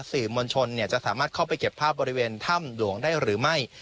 สื่อมวลชนจะสามารถเข้าไปเก็บภาพบริเวณถ้ำหลวงได้หรือไม่